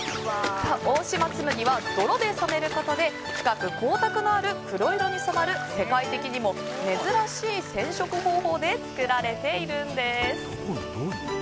大島紬は泥で染めることで深く光沢のある黒色に染まる世界的にも珍しい染色方法で作られているんです。